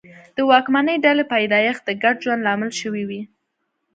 د واکمنې ډلې پیدایښت د ګډ ژوند لامل شوي وي.